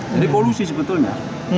jadi polusi sebetulnya